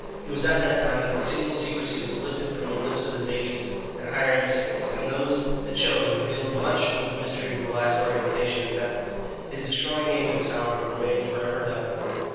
It was at that time that the seal of secrecy was lifted from the lips of his agents and higher emissaries, and those that chose revealed much of the mystery of Goliah's organization and methods. His destroying angels, however, remained for ever dumb.